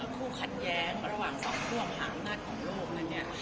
คู่ขัดแย้งระหว่างทรัพย์ทั่วข้างด้านของโลกนั้น